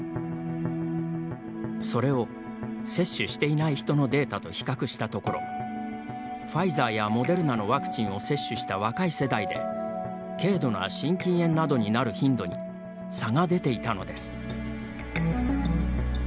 それを接種していない人のデータと比較したところファイザーやモデルナのワクチンを接種した若い世代で軽度な心筋炎などになる頻度に差が出ていたのです。